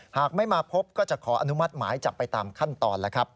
หากไม่มาพบก็จะขออนุมัติหมายจับไปตามขั้นตอนแล้วครับ